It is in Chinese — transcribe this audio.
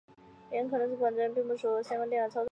原因有可能是管制员并不熟习有关电脑操作。